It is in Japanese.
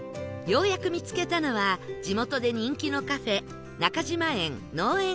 ようやく見つけたのは地元で人気のカフェ